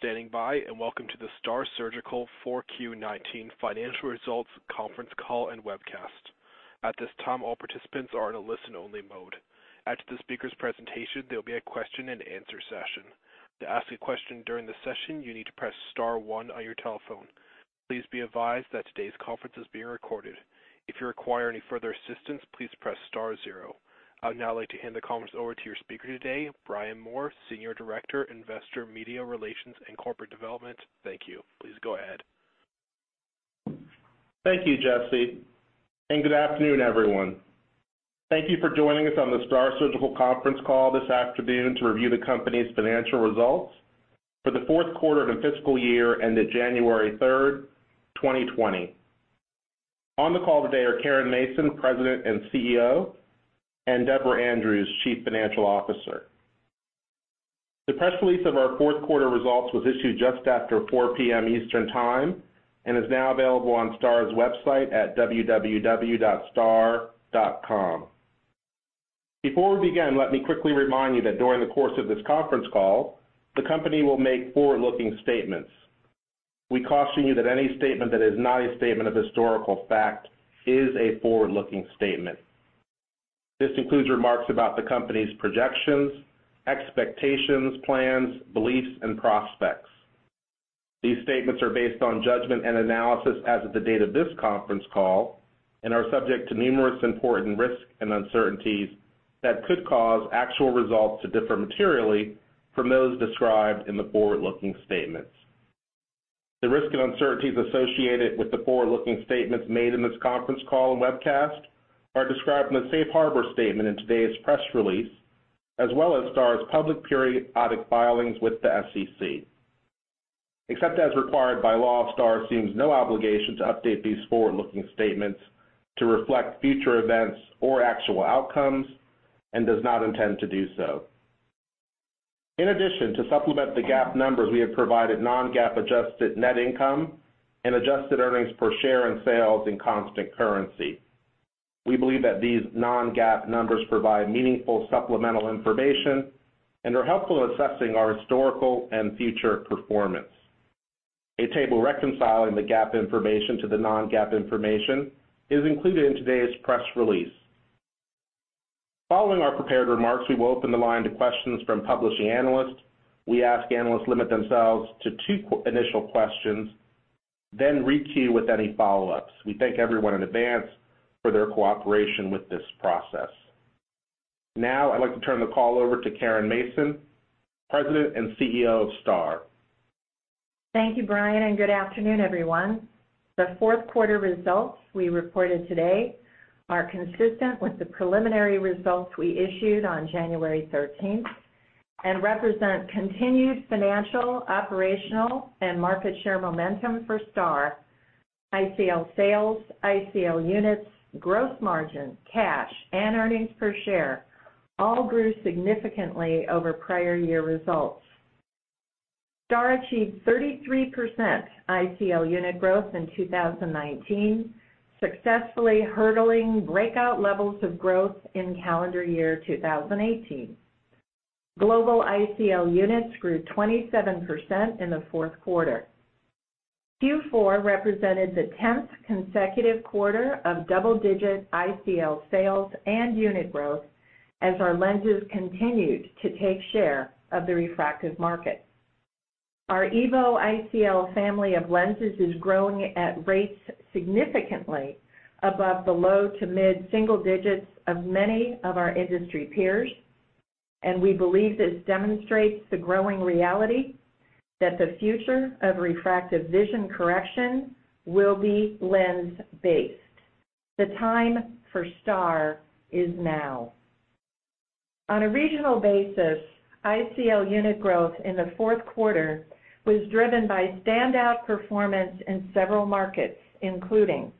Thank you for standing by, and welcome to the STAAR Surgical 4Q 2019 Financial Results Conference Call and Webcast. At this time, all participants are in a listen-only mode. After the speakers' presentation, there will be a question and answer session. To ask a question during the session, you need to press star one on your telephone. Please be advised that today's conference is being recorded. If you require any further assistance, please press star zero. I'd now like to hand the conference over to your speaker today, Brian Moore, Senior Director, Investor Media Relations and Corporate Development. Thank you. Please go ahead. Thank you, Jesse, and good afternoon, everyone. Thank you for joining us on the STAAR Surgical conference call this afternoon to review the company's financial results for the fourth quarter and fiscal year ended January 3rd, 2020. On the call today are Caren Mason, President and CEO, and Deborah Andrews, Chief Financial Officer. The press release of our fourth quarter results was issued just after 4:00 P.M. Eastern Time and is now available on STAAR's website at www.staar.com. Before we begin, let me quickly remind you that during the course of this conference call, the company will make forward-looking statements. We caution you that any statement that is not a statement of historical fact is a forward-looking statement. This includes remarks about the company's projections, expectations, plans, beliefs, and prospects. These statements are based on judgment and analysis as of the date of this conference call and are subject to numerous important risks and uncertainties that could cause actual results to differ materially from those described in the forward-looking statements. The risks and uncertainties associated with the forward-looking statements made in this conference call and webcast are described in the safe harbor statement in today's press release, as well as STAAR's public periodic filings with the SEC. Except as required by law, STAAR assumes no obligation to update these forward-looking statements to reflect future events or actual outcomes and does not intend to do so. In addition, to supplement the GAAP numbers, we have provided non-GAAP adjusted net income and adjusted earnings per share and sales in constant currency. We believe that these non-GAAP numbers provide meaningful supplemental information and are helpful in assessing our historical and future performance. A table reconciling the GAAP information to the non-GAAP information is included in today's press release. Following our prepared remarks, we will open the line to questions from publishing analysts. We ask analysts limit themselves to two initial questions, then requeue with any follow-ups. We thank everyone in advance for their cooperation with this process. I'd like to turn the call over to Caren Mason, President and CEO of STAAR. Thank you, Brian. Good afternoon, everyone. The fourth quarter results we reported today are consistent with the preliminary results we issued on January 13th and represent continued financial, operational, and market share momentum for STAAR. ICL sales, ICL units, gross margin, cash, and earnings per share all grew significantly over prior year results. STAAR achieved 33% ICL unit growth in 2019, successfully hurdling breakout levels of growth in calendar year 2018. Global ICL units grew 27% in the fourth quarter. Q4 represented the 10th consecutive quarter of double-digit ICL sales and unit growth as our lenses continued to take share of the refractive market. Our EVO ICL family of lenses is growing at rates significantly above the low to mid-single digits of many of our industry peers, and we believe this demonstrates the growing reality that the future of refractive vision correction will be lens-based. The time for STAAR is now. On a regional basis, ICL unit growth in the fourth quarter was driven by standout performance in several markets, including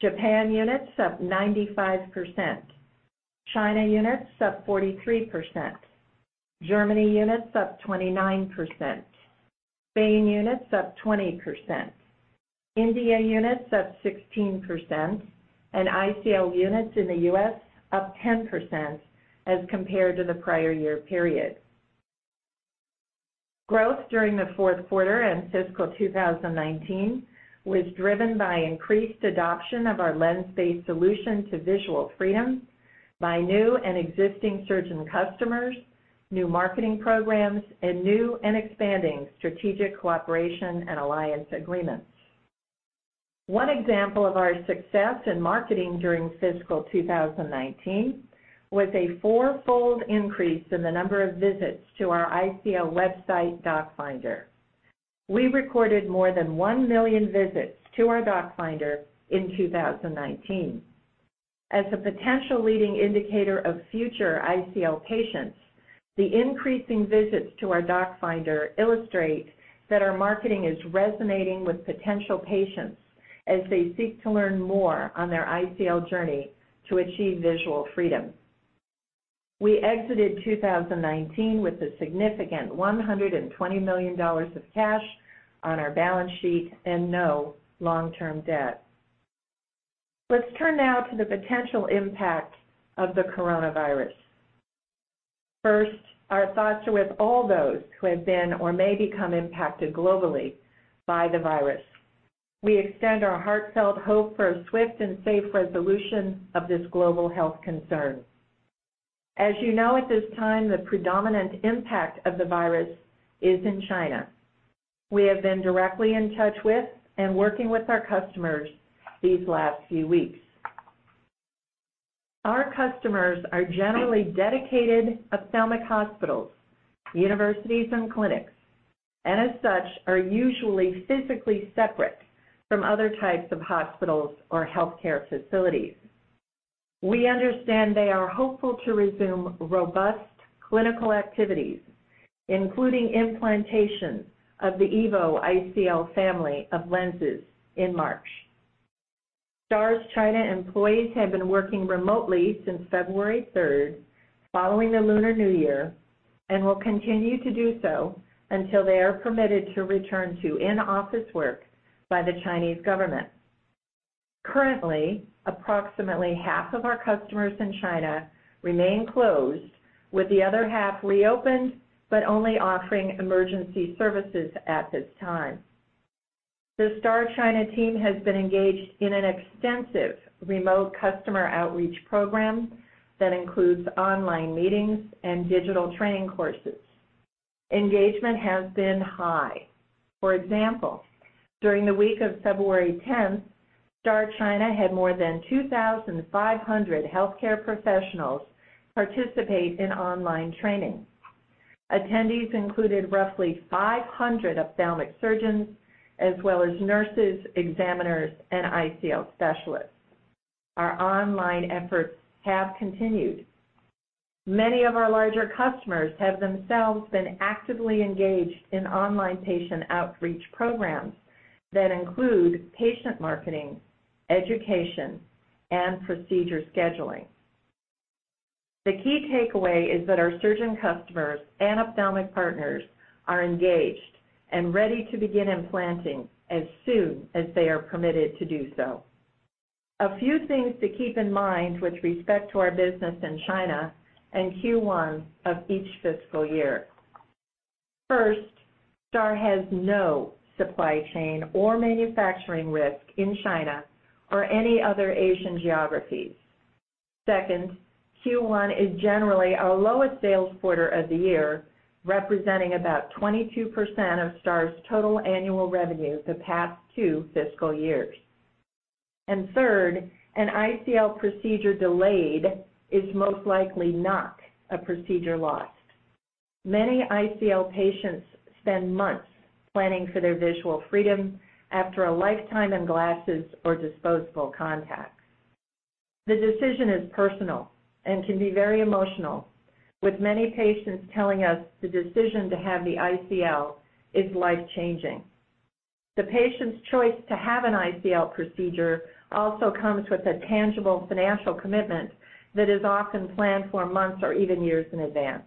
Japan units up 95%, China units up 43%, Germany units up 29%, Spain units up 20%, India units up 16%, and ICL units in the U.S. up 10% as compared to the prior year period. Growth during the fourth quarter and fiscal 2019 was driven by increased adoption of our lens-based solution to visual freedom by new and existing surgeon customers, new marketing programs, and new and expanding strategic cooperation and alliance agreements. One example of our success in marketing during fiscal 2019 was a four-fold increase in the number of visits to our ICL website DocFinder. We recorded more than 1 million visits to our DocFinder in 2019. As a potential leading indicator of future ICL patients, the increasing visits to our DocFinder illustrate that our marketing is resonating with potential patients as they seek to learn more on their ICL journey to achieve visual freedom. We exited 2019 with a significant $120 million of cash on our balance sheet and no long-term debt. Let's turn now to the potential impact of the coronavirus. First, our thoughts are with all those who have been or may become impacted globally by the virus. We extend our heartfelt hope for a swift and safe resolution of this global health concern. As you know, at this time, the predominant impact of the virus is in China. We have been directly in touch with and working with our customers these last few weeks. Our customers are generally dedicated ophthalmic hospitals, universities, and clinics, and as such, are usually physically separate from other types of hospitals or healthcare facilities. We understand they are hopeful to resume robust clinical activities, including implantation of the EVO ICL family of lenses in March. STAAR's China employees have been working remotely since February 3rd, following the Lunar New Year, and will continue to do so until they are permitted to return to in-office work by the Chinese government. Currently, approximately half of our customers in China remain closed, with the other half reopened, but only offering emergency services at this time. The STAAR China team has been engaged in an extensive remote customer outreach program that includes online meetings and digital training courses. Engagement has been high. For example, during the week of February 10th, STAAR China had more than 2,500 healthcare professionals participate in online training. Attendees included roughly 500 ophthalmic surgeons, as well as nurses, examiners, and ICL specialists. Our online efforts have continued. Many of our larger customers have themselves been actively engaged in online patient outreach programs that include patient marketing, education, and procedure scheduling. The key takeaway is that our surgeon customers and ophthalmic partners are engaged and ready to begin implanting as soon as they are permitted to do so. A few things to keep in mind with respect to our business in China and Q1 of each fiscal year. First, STAAR has no supply chain or manufacturing risk in China or any other Asian geographies. Second, Q1 is generally our lowest sales quarter of the year, representing about 22% of STAAR's total annual revenue the past two fiscal years. Third, an ICL procedure delayed is most likely not a procedure lost. Many ICL patients spend months planning for their visual freedom after a lifetime in glasses or disposable contacts. The decision is personal and can be very emotional, with many patients telling us the decision to have the ICL is life-changing. The patient's choice to have an ICL procedure also comes with a tangible financial commitment that is often planned for months or even years in advance.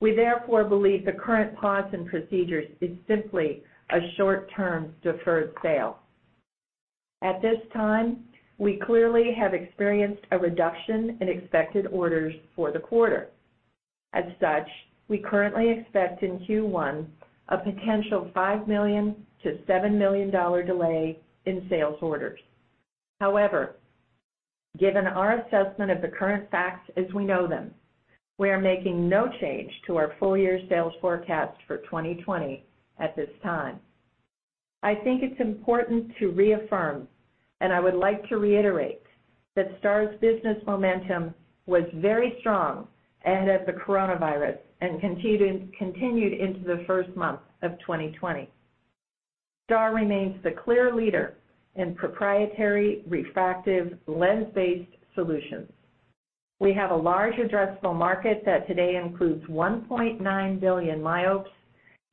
We therefore believe the current pause in procedures is simply a short-term deferred sale. At this time, we clearly have experienced a reduction in expected orders for the quarter. As such, we currently expect in Q1 a potential $5 million-$7 million delay in sales orders. However, given our assessment of the current facts as we know them, we are making no change to our full-year sales forecast for 2020 at this time. I think it's important to reaffirm, and I would like to reiterate, that STAAR's business momentum was very strong ahead of the coronavirus, and continued into the first month of 2020. STAAR remains the clear leader in proprietary refractive lens-based solutions. We have a large addressable market that today includes 1.9 billion myopes,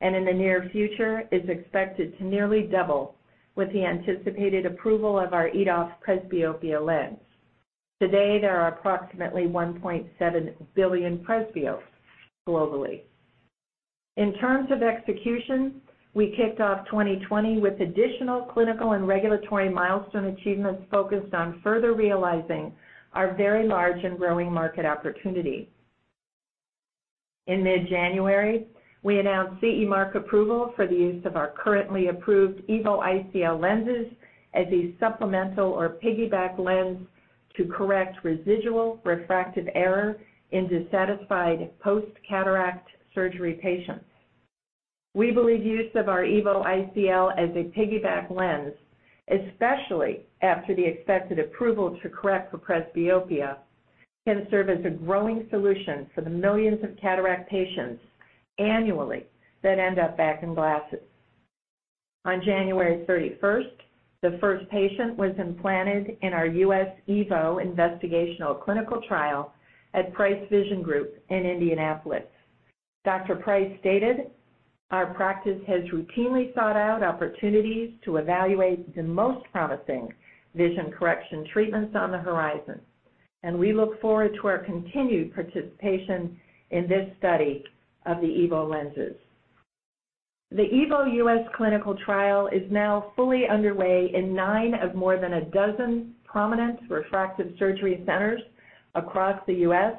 and in the near future is expected to nearly double with the anticipated approval of our EDOF presbyopia lens. Today, there are approximately 1.7 billion presbyopes globally. In terms of execution, we kicked off 2020 with additional clinical and regulatory milestone achievements focused on further realizing our very large and growing market opportunity. In mid-January, we announced CE mark approval for the use of our currently approved EVO ICL lenses as a supplemental or piggyback lens to correct residual refractive error in dissatisfied post-cataract surgery patients. We believe use of our EVO ICL as a piggyback lens, especially after the expected approval to correct for presbyopia, can serve as a growing solution for the millions of cataract patients annually that end up back in glasses. On January 31st, the first patient was implanted in our U.S. EVO investigational clinical trial at Price Vision Group in Indianapolis. Dr. Price stated, "Our practice has routinely sought out opportunities to evaluate the most promising vision correction treatments on the horizon, and we look forward to our continued participation in this study of the EVO lenses."The EVO U.S. clinical trial is now fully underway in nine of more than a dozen prominent refractive surgery centers across the U.S.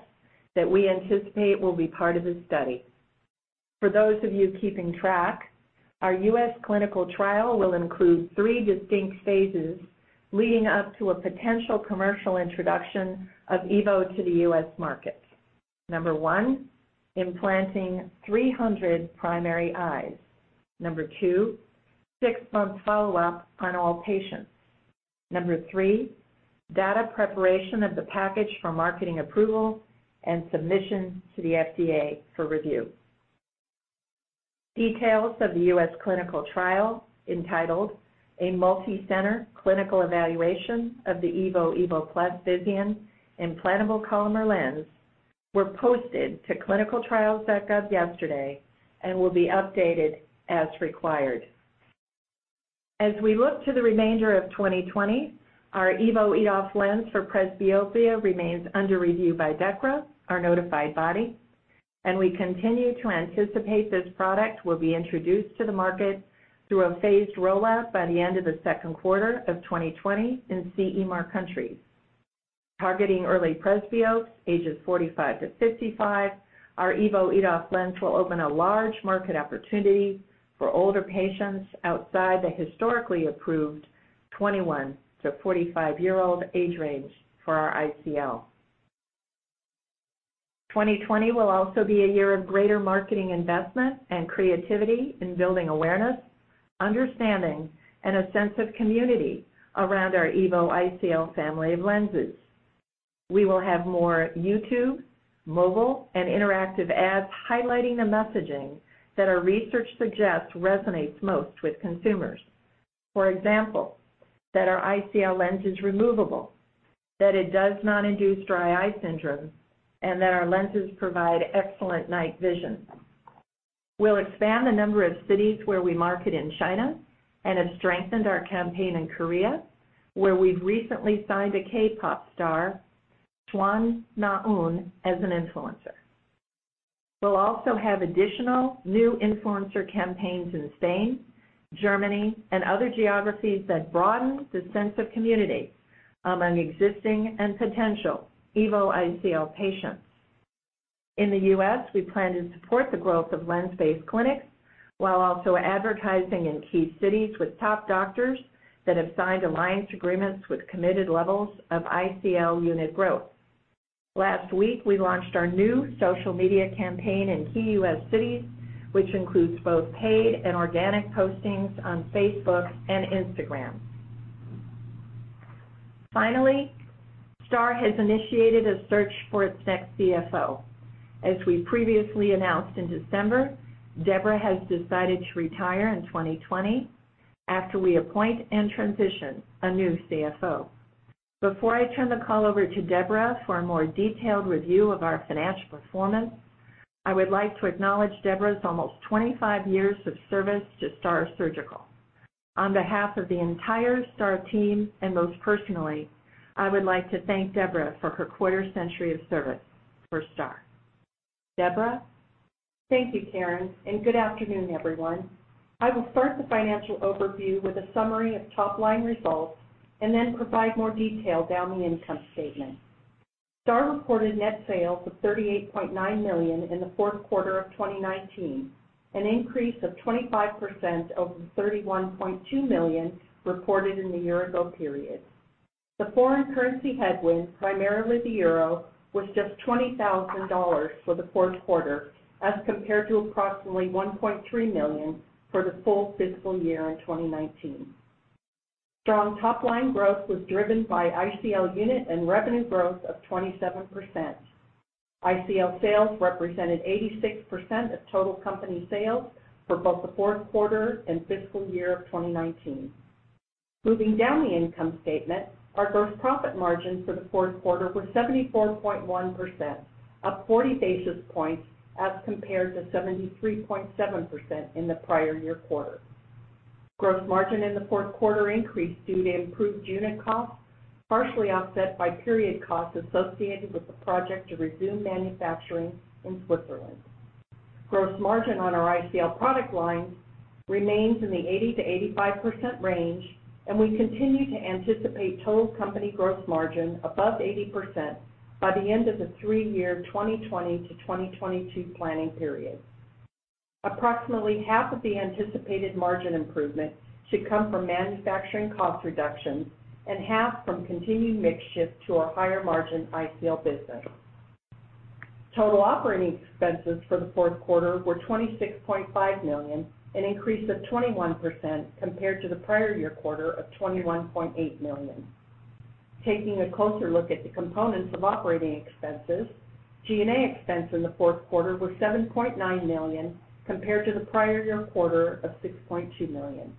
that we anticipate will be part of the study. For those of you keeping track, our U.S. clinical trial will include three distinct phases leading up to a potential commercial introduction of EVO to the U.S. market. Number one, implanting 300 primary eyes. Number two, six-month follow-up on all patients. Number three, data preparation of the package for marketing approval and submission to the FDA for review. Details of the U.S. clinical trial, entitled "A Multi-Center Clinical Evaluation of the EVO/EVO+ Visian Implantable Collamer Lens," were posted to ClinicalTrials.gov yesterday and will be updated as required. As we look to the remainder of 2020, our EVO EDOF lens for presbyopia remains under review by DEKRA, our notified body, and we continue to anticipate this product will be introduced to the market through a phased rollout by the end of the second quarter of 2020 in CE mark countries. Targeting early presbyopes, ages 45 to 55, our EVO EDOF lens will open a large market opportunity for older patients outside the historically approved 21 to 45-year-old age range for our ICL. 2020 will also be a year of greater marketing investment and creativity in building awareness, understanding, and a sense of community around our EVO ICL family of lenses. We will have more YouTube, mobile, and interactive ads highlighting the messaging that our research suggests resonates most with consumers. For example, that our ICL lens is removable, that it does not induce dry eye syndrome, and that our lenses provide excellent night vision. We'll expand the number of cities where we market in China and have strengthened our campaign in Korea, where we've recently signed a K-pop star, Son Na-eun, as an influencer. We'll also have additional new influencer campaigns in Spain, Germany, and other geographies that broaden the sense of community among existing and potential EVO ICL patients. In the U.S., we plan to support the growth of lens-based clinics while also advertising in key cities with top doctors that have signed alliance agreements with committed levels of ICL unit growth. Last week, we launched our new social media campaign in key U.S. cities, which includes both paid and organic postings on Facebook and Instagram. Finally, STAAR has initiated a search for its next CFO. As we previously announced in December, Deborah has decided to retire in 2020 after we appoint and transition a new CFO. Before I turn the call over to Deborah for a more detailed review of our financial performance, I would like to acknowledge Deborah's almost 25 years of service to STAAR Surgical. On behalf of the entire STAAR team, most personally, I would like to thank Deborah for her quarter-century of service for STAAR. Deborah? Thank you, Caren, good afternoon, everyone. I will start the financial overview with a summary of top-line results and then provide more detail down the income statement. STAAR reported net sales of $38.9 million in the fourth quarter of 2019, an increase of 25% over the $31.2 million reported in the year-ago period. The foreign currency headwind, primarily the EUR, was just $20,000 for the fourth quarter, as compared to approximately $1.3 million for the full fiscal year in 2019. Strong top-line growth was driven by ICL unit and revenue growth of 27%. ICL sales represented 86% of total company sales for both the fourth quarter and fiscal year of 2019. Moving down the income statement, our gross profit margin for the fourth quarter was 74.1%, up 40 basis points as compared to 73.7% in the prior year quarter. Gross margin in the fourth quarter increased due to improved unit costs, partially offset by period costs associated with the project to resume manufacturing in Switzerland. Gross margin on our ICL product line remains in the 80%-85% range, and we continue to anticipate total company gross margin above 80% by the end of the three-year 2020 to 2022 planning period. Approximately half of the anticipated margin improvement should come from manufacturing cost reductions and half from continued mix shift to our higher-margin ICL business. Total operating expenses for the fourth quarter were $26.5 million, an increase of 21% compared to the prior year quarter of $21.8 million. Taking a closer look at the components of operating expenses, G&A expense in the fourth quarter was $7.9 million, compared to the prior year quarter of $6.2 million.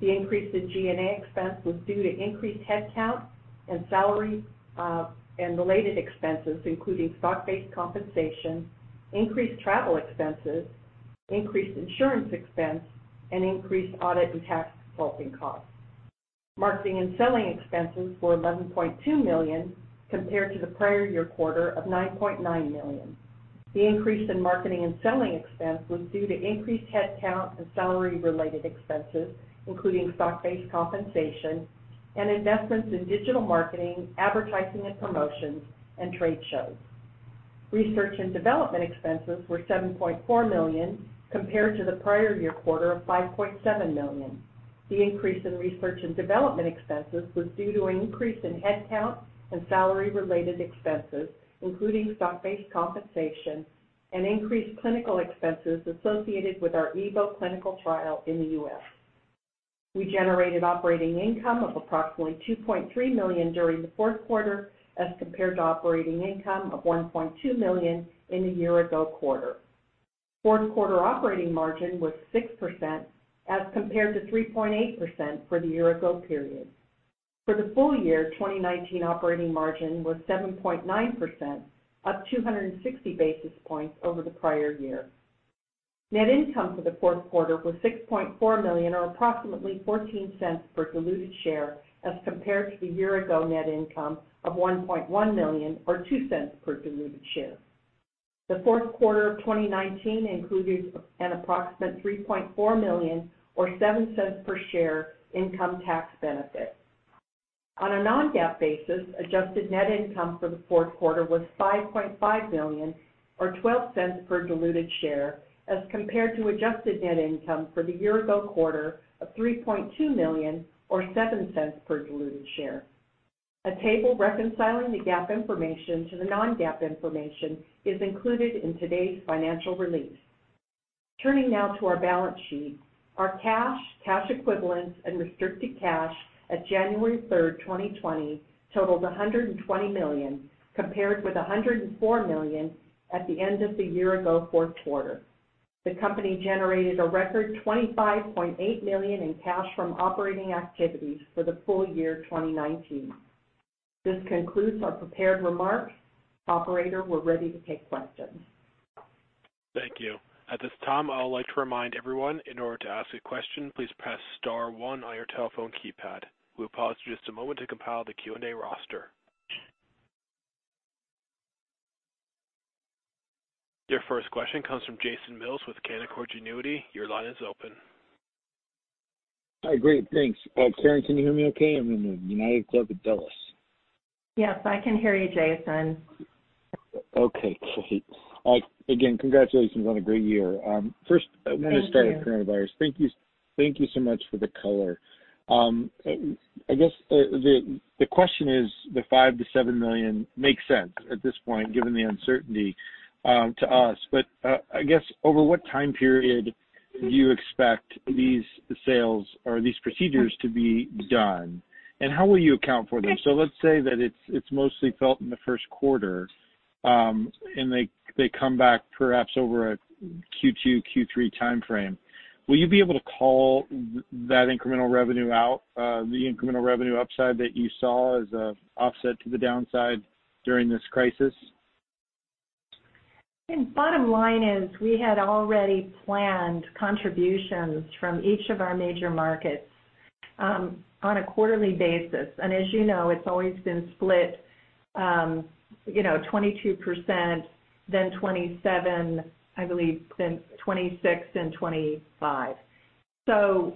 The increase in G&A expense was due to increased headcount and salary and related expenses, including stock-based compensation, increased travel expenses, increased insurance expense, and increased audit and tax consulting costs. Marketing and selling expenses were $11.2 million compared to the prior year quarter of $9.9 million. The increase in marketing and selling expense was due to increased headcount and salary-related expenses, including stock-based compensation and investments in digital marketing, advertising and promotions, and trade shows. Research and development expenses were $7.4 million compared to the prior year quarter of $5.7 million. The increase in research and development expenses was due to an increase in headcount and salary-related expenses, including stock-based compensation and increased clinical expenses associated with our EVO clinical trial in the U.S. We generated operating income of approximately $2.3 million during the fourth quarter as compared to operating income of $1.2 million in the year-ago quarter. Fourth quarter operating margin was 6% as compared to 3.8% for the year-ago period. For the full year 2019 operating margin was 7.9%, up 260 basis points over the prior year. Net income for the fourth quarter was $6.4 million or approximately $0.14 per diluted share as compared to the year-ago net income of $1.1 million or $0.02 per diluted share. The fourth quarter of 2019 included an approximate $3.4 million or $0.07 per share income tax benefit. On a non-GAAP basis, adjusted net income for the fourth quarter was $5.5 million or $0.12 per diluted share as compared to adjusted net income for the year-ago quarter of $3.2 million or $0.07 per diluted share. A table reconciling the GAAP information to the non-GAAP information is included in today's financial release. Turning now to our balance sheet. Our cash equivalents, and restricted cash at January 3rd, 2020 totaled $120 million, compared with $104 million at the end of the year-ago fourth quarter. The company generated a record $25.8 million in cash from operating activities for the full year 2019. This concludes our prepared remarks. Operator, we're ready to take questions. Thank you. At this time, I would like to remind everyone, in order to ask a question, please press star one on your telephone keypad. We'll pause for just a moment to compile the Q&A roster. Your first question comes from Jason Mills with Canaccord Genuity. Your line is open. Hi, great. Thanks. Caren, can you hear me okay? I'm in the United Club at Dulles. Yes, I can hear you, Jason. Okay, great. Again, congratulations on a great year. Thank you. First, I'm going to start at coronavirus. Thank you so much for the color. I guess the question is the $5 million-$7 million makes sense at this point, given the uncertainty to us. I guess over what time period do you expect these sales or these procedures to be done? How will you account for that? Let's say that it's mostly felt in the first quarter, and they come back perhaps over a Q2, Q3 timeframe. Will you be able to call that incremental revenue out, the incremental revenue upside that you saw as an offset to the downside during this crisis? I think bottom line is we had already planned contributions from each of our major markets on a quarterly basis. As you know, it's always been split 22%, then 27%, I believe then 26% and 25%.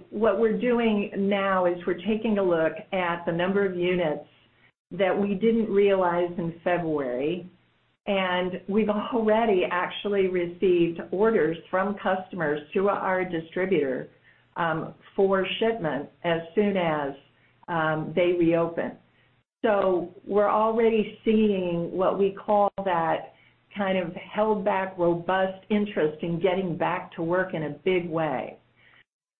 What we're doing now is we're taking a look at the number of units that we didn't realize in February, and we've already actually received orders from customers to our distributor for shipment as soon as they reopen. We're already seeing what we call that kind of held back robust interest in getting back to work in a big way.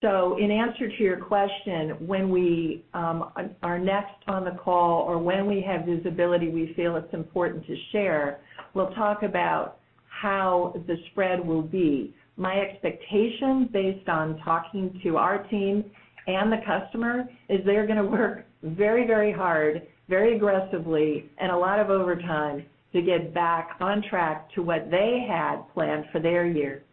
In answer to your question, when we are next on the call or when we have visibility we feel it's important to share, we'll talk about how the spread will be. My expectation based on talking to our team and the customer is they're going to work very hard, very aggressively, and a lot of overtime to get back on track to what they had planned for their year.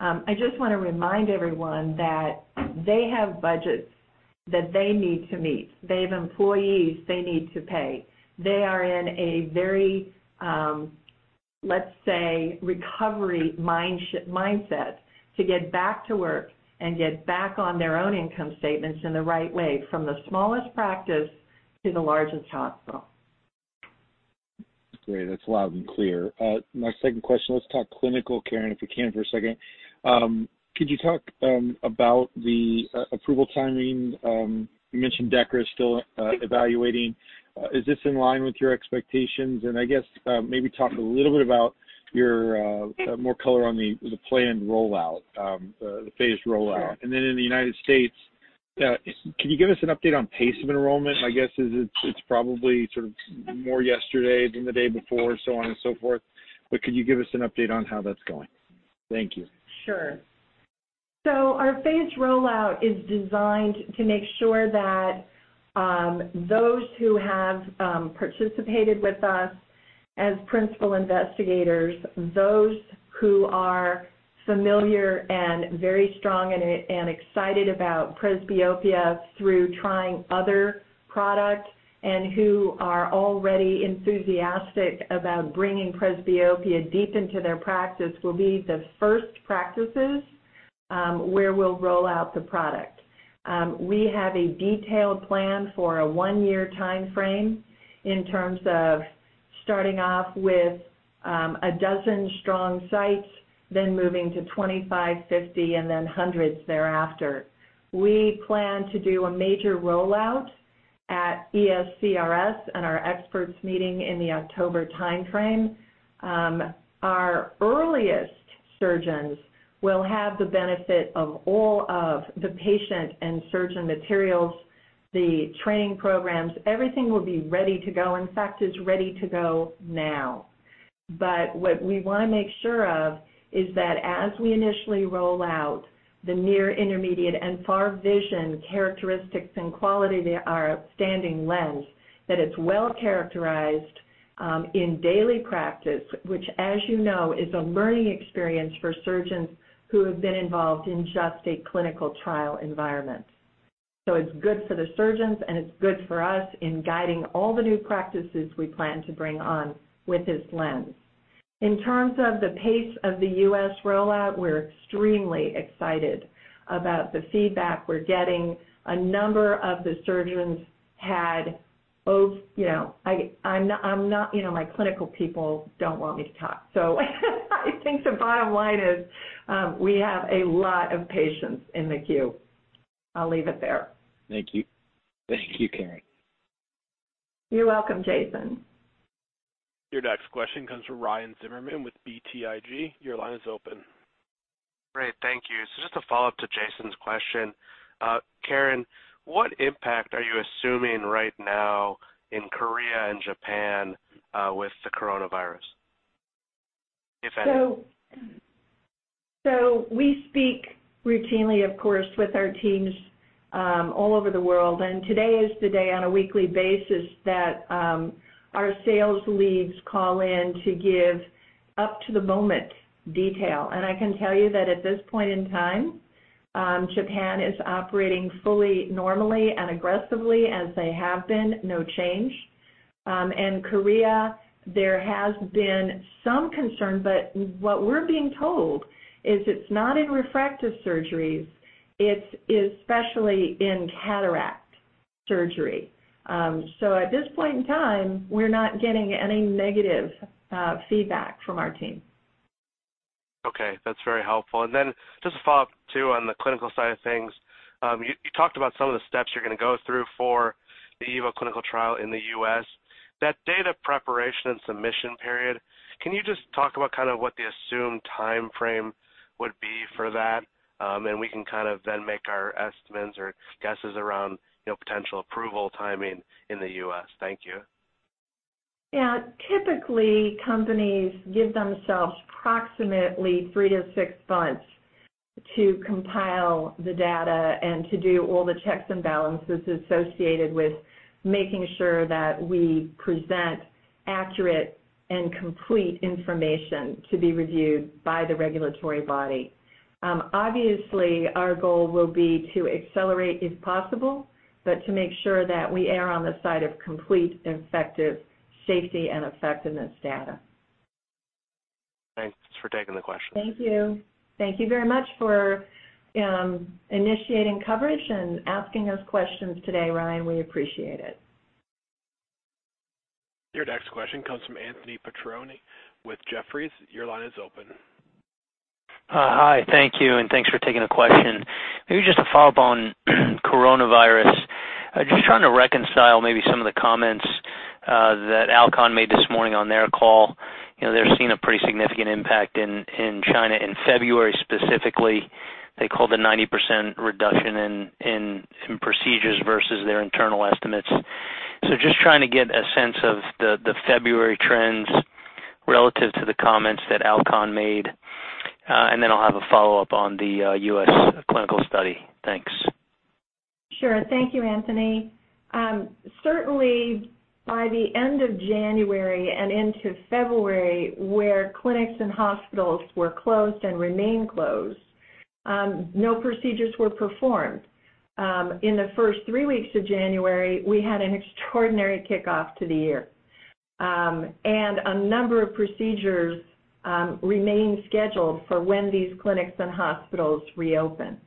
I just want to remind everyone that they have budgets that they need to meet. They have employees they need to pay. They are in a very, let's say, recovery mindset to get back to work and get back on their own income statements in the right way, from the smallest practice to the largest hospital. Great. That's loud and clear. My second question, let's talk clinical, Caren, if we can for a second. Could you talk about the approval timing? You mentioned DEKRA is still evaluating. Is this in line with your expectations? I guess maybe talk a little bit about more color on the planned rollout, the phased rollout. Then in the United States, can you give us an update on pace of enrollment? My guess is it's probably sort of more yesterday than the day before, so on and so forth. Could you give us an update on how that's going? Thank you. Sure. Our phased rollout is designed to make sure that those who have participated with us As principal investigators, those who are familiar and very strong and excited about presbyopia through trying other products and who are already enthusiastic about bringing presbyopia deep into their practice will be the first practices where we'll roll out the product. We have a detailed plan for a one-year timeframe in terms of starting off with 12 strong sites, then moving to 25, 50, and then hundreds thereafter. We plan to do a major rollout at ESCRS and our experts meeting in the October timeframe. Our earliest surgeons will have the benefit of all of the patient and surgeon materials, the training programs, everything will be ready to go. In fact, it's ready to go now. What we want to make sure of is that as we initially roll out the near, intermediate, and far vision characteristics and quality of our outstanding lens, that it's well-characterized in daily practice, which, as you know, is a learning experience for surgeons who have been involved in just a clinical trial environment. It's good for the surgeons, and it's good for us in guiding all the new practices we plan to bring on with this lens. Terms of the pace of the U.S. rollout, we're extremely excited about the feedback we're getting. A number of the surgeons My clinical people don't want me to talk, so I think the bottom line is we have a lot of patients in the queue. I'll leave it there. Thank you. Thank you, Caren. You're welcome, Jason. Your next question comes from Ryan Zimmerman with BTIG. Your line is open. Great. Thank you. Just a follow-up to Jason's question. Caren, what impact are you assuming right now in Korea and Japan with the coronavirus, if any? We speak routinely, of course, with our teams all over the world, and today is the day on a weekly basis that our sales leads call in to give up-to-the-moment detail. I can tell you that at this point in time, Japan is operating fully normally and aggressively as they have been. No change. Korea, there has been some concern, but what we're being told is it's not in refractive surgeries, it's especially in cataract surgery. At this point in time, we're not getting any negative feedback from our team. Okay. That's very helpful. Just to follow up too on the clinical side of things, you talked about some of the steps you're going to go through for the EVO clinical trial in the U.S. That data preparation and submission period, can you just talk about what the assumed timeframe would be for that? We can then make our estimates or guesses around potential approval timing in the U.S. Thank you. Typically, companies give themselves approximately three to six months to compile the data and to do all the checks and balances associated with making sure that we present accurate and complete information to be reviewed by the regulatory body. Obviously, our goal will be to accelerate if possible, but to make sure that we are on the side of complete, effective safety and effectiveness data. Thanks for taking the question. Thank you. Thank you very much for initiating coverage and asking us questions today, Ryan. We appreciate it. Your next question comes from Anthony Petrone with Jefferies. Your line is open. Hi. Thank you, and thanks for taking the question. Maybe just a follow-up on coronavirus. Just trying to reconcile maybe some of the comments that Alcon made this morning on their call. They're seeing a pretty significant impact in China in February specifically. They called a 90% reduction in procedures versus their internal estimates. Just trying to get a sense of the February trends relative to the comments that Alcon made. Then I'll have a follow-up on the U.S. clinical study. Thanks. Sure. Thank you, Anthony. Certainly, by the end of January and into February, where clinics and hospitals were closed and remain closed, no procedures were performed. In the first three weeks of January, we had an extraordinary kickoff to the year. A number of procedures remain scheduled for when these clinics and hospitals reopen.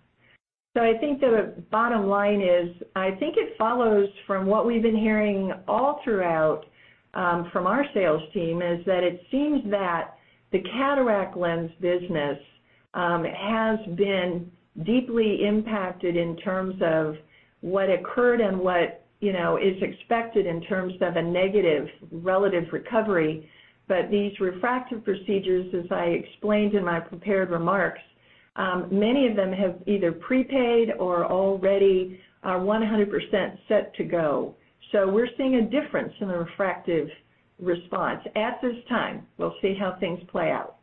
I think the bottom line is, I think it follows from what we've been hearing all throughout from our sales team is that it seems that the cataract lens business has been deeply impacted in terms of what occurred and what is expected in terms of a negative relative recovery. These refractive procedures, as I explained in my prepared remarks, many of them have either prepaid or already are 100% set to go. We're seeing a difference in the refractive response at this time. We'll see how things play out.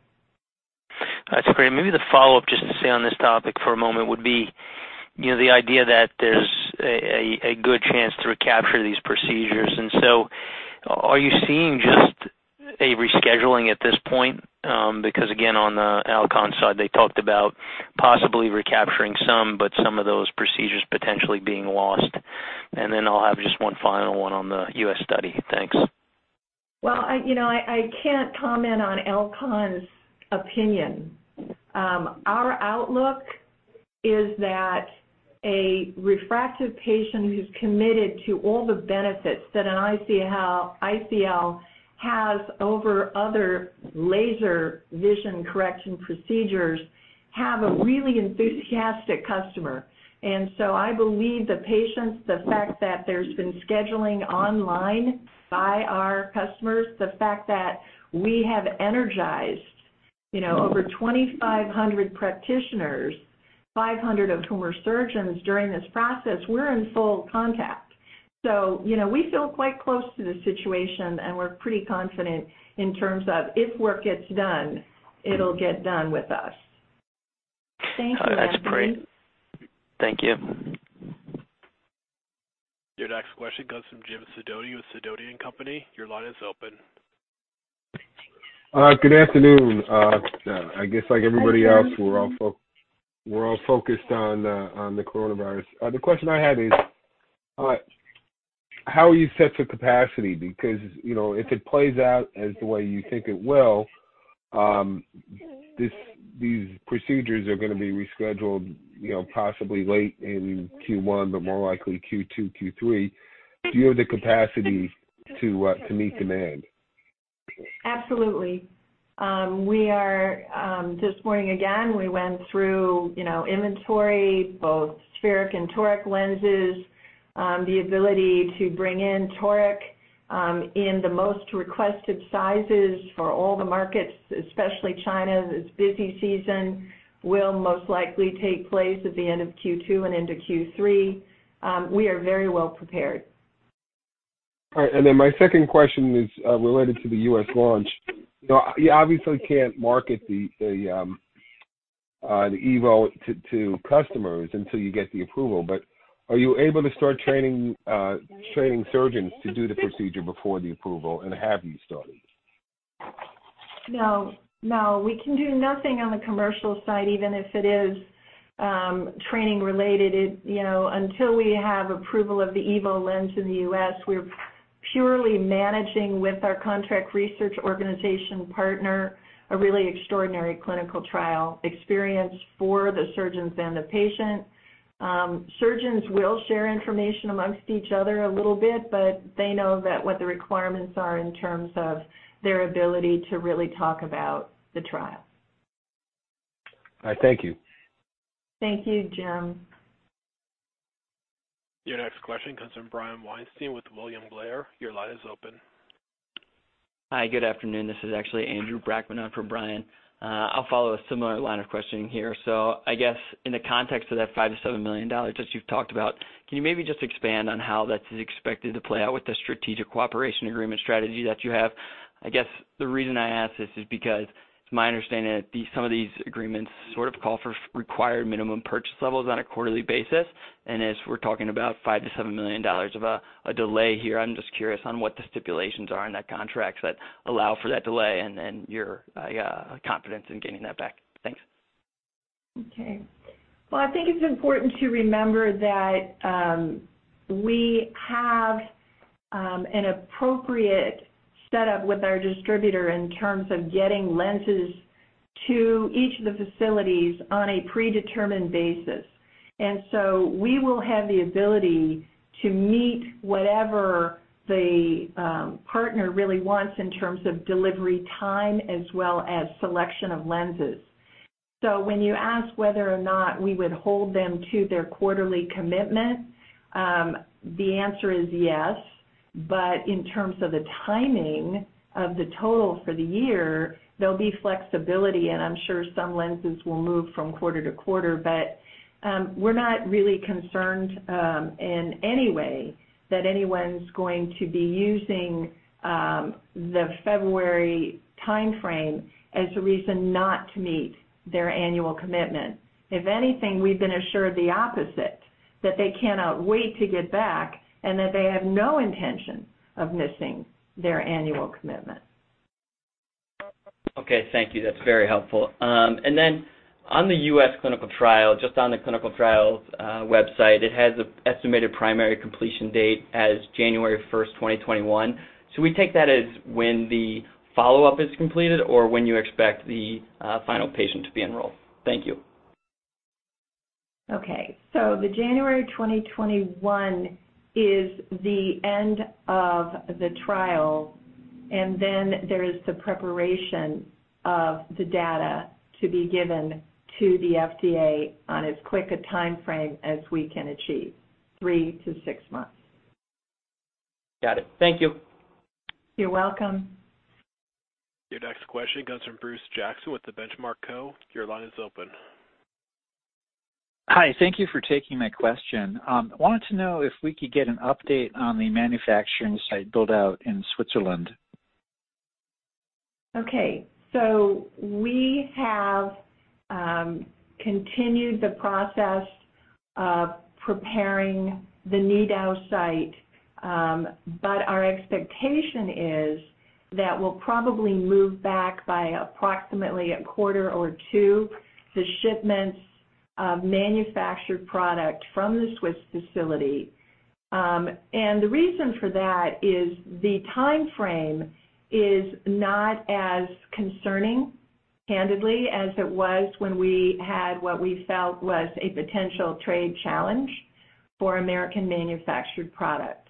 That's great. Maybe the follow-up, just to stay on this topic for a moment, would be the idea that there's a good chance to recapture these procedures. Are you seeing just a rescheduling at this point? Because again, on the Alcon side, they talked about possibly recapturing some, but some of those procedures potentially being lost. I'll have just one final one on the U.S. study. Thanks. Well, I can't comment on Alcon's opinion. Our outlook is that a refractive patient who's committed to all the benefits that an ICL has over other laser vision correction procedures have a really enthusiastic customer. I believe the patients, the fact that there's been scheduling online by our customers, the fact that we have energized over 2,500 practitioners, 500 of whom are surgeons during this process, we're in full contact. We feel quite close to the situation, and we're pretty confident in terms of if work gets done, it'll get done with us. Thank you. That's great. Thank you. Your next question comes from Jim Sidoti with Sidoti & Company. Your line is open. Good afternoon. I guess like everybody else. Hi, Jim. We're all focused on the coronavirus. The question I had is, how are you set to capacity? Because if it plays out as the way you think it will, these procedures are going to be rescheduled possibly late in Q1, but more likely Q2, Q3. Do you have the capacity to meet demand? Absolutely. This morning, again, we went through inventory, both spheric and toric lenses, the ability to bring in toric in the most requested sizes for all the markets, especially China's busy season, will most likely take place at the end of Q2 and into Q3. We are very well prepared. All right. My second question is related to the U.S. launch. You obviously can't market the EVO to customers until you get the approval, are you able to start training surgeons to do the procedure before the approval, and have you started? No. We can do nothing on the commercial side, even if it is training related. Until we have approval of the EVO lens in the U.S., we're purely managing with our contract research organization partner, a really extraordinary clinical trial experience for the surgeons and the patient. Surgeons will share information amongst each other a little bit, but they know what the requirements are in terms of their ability to really talk about the trial. All right. Thank you. Thank you, Jim. Your next question comes from Brian Weinstein with William Blair. Your line is open. Hi, good afternoon. This is actually Andrew Brackmann on for Brian. I'll follow a similar line of questioning here. I guess in the context of that $5 million-$7 million that you've talked about, can you maybe just expand on how that is expected to play out with the strategic cooperation agreement strategy that you have? I guess the reason I ask this is because it's my understanding that some of these agreements sort of call for required minimum purchase levels on a quarterly basis, and as we're talking about $5 million-$7 million of a delay here, I'm just curious on what the stipulations are in that contract that allow for that delay and your confidence in gaining that back. Thanks. Well, I think it's important to remember that we have an appropriate setup with our distributor in terms of getting lenses to each of the facilities on a predetermined basis. We will have the ability to meet whatever the partner really wants in terms of delivery time as well as selection of lenses. When you ask whether or not we would hold them to their quarterly commitment, the answer is yes. In terms of the timing of the total for the year, there'll be flexibility, and I'm sure some lenses will move from quarter to quarter. We're not really concerned in any way that anyone's going to be using the February timeframe as a reason not to meet their annual commitment. If anything, we've been assured the opposite, that they cannot wait to get back and that they have no intention of missing their annual commitment. Okay. Thank you. That's very helpful. On the U.S. clinical trial, just on the ClinicalTrials.gov website, it has an estimated primary completion date as January 1st, 2021. Should we take that as when the follow-up is completed or when you expect the final patient to be enrolled? Thank you. Okay. The January 2021 is the end of the trial, and then there is the preparation of the data to be given to the FDA on as quick a timeframe as we can achieve, three to six months. Got it. Thank you. You're welcome. Your next question comes from Bruce Jackson with The Benchmark Co.. Your line is open. Hi. Thank you for taking my question. I wanted to know if we could get an update on the manufacturing site build-out in Switzerland. We have continued the process of preparing the Nidau site, but our expectation is that we'll probably move back by approximately a quarter or two the shipments of manufactured product from the Swiss facility. The reason for that is the timeframe is not as concerning, candidly, as it was when we had what we felt was a potential trade challenge for American-manufactured product.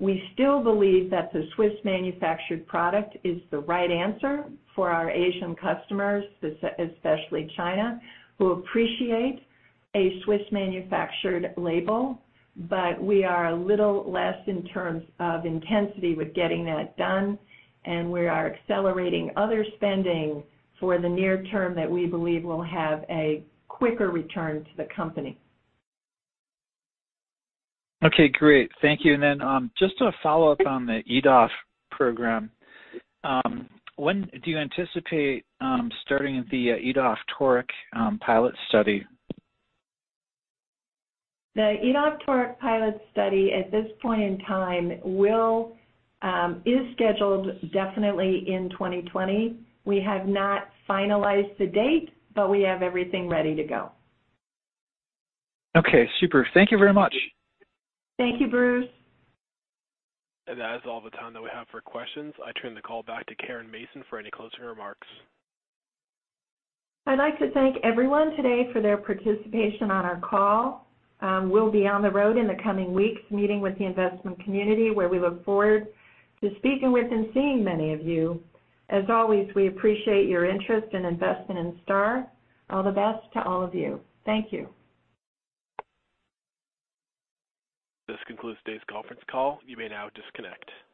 We still believe that the Swiss-manufactured product is the right answer for our Asian customers, especially China, who appreciate a Swiss-manufactured label. We are a little less in terms of intensity with getting that done, and we are accelerating other spending for the near term that we believe will have a quicker return to the company. Okay, great. Thank you. Just a follow-up on the EDOF program. When do you anticipate starting the EDOF Toric pilot study? The EDOF Toric pilot study, at this point in time, is scheduled definitely in 2020. We have not finalized the date, but we have everything ready to go. Okay, super. Thank you very much. Thank you, Bruce. That is all the time that we have for questions. I turn the call back to Caren Mason for any closing remarks. I'd like to thank everyone today for their participation on our call. We'll be on the road in the coming weeks, meeting with the investment community, where we look forward to speaking with and seeing many of you. As always, we appreciate your interest and investment in STAAR. All the best to all of you. Thank you. This concludes today's conference call. You may now disconnect.